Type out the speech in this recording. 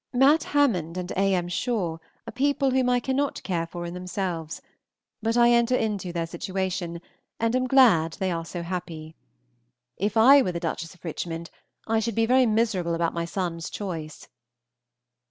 Mat. Hammond and A. M. Shaw are people whom I cannot care for in themselves, but I enter into their situation, and am glad they are so happy. If I were the Duchess of Richmond, I should be very miserable about my son's choice.